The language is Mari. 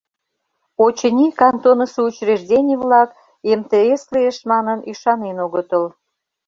Очыни, кантонысо учреждений-влак, МТС лиеш манын, ӱшанен огытыл.